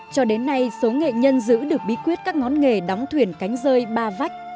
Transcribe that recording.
cho đến nay số nghệ nhân giữ được bí quyết các ngón nghề đóng thuyền cánh rơi ba vách